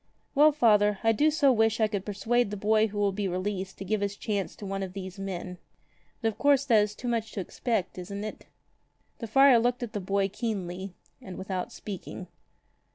"Well, father, I do so wish I could persuade the boy who will be released to give his chance to one of these men. But of course that is too much to expect, isn't it?" The friar looked at the boy keenly and without speaking.